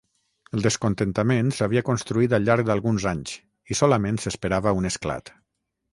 El descontentament s'havia construït al llarg d'alguns anys, i solament s'esperava un esclat.